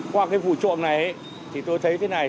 qua cái vụ trộm này thì tôi thấy cái này